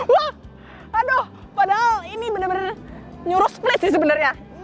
wah aduh padahal ini bener bener nyuruh split sih sebenernya